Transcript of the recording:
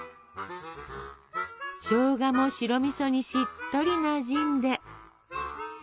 しょうがも白みそにしっとりなじんで。